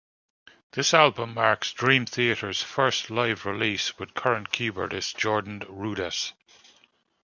This album marks Dream Theater's first live release with current keyboardist Jordan Rudess.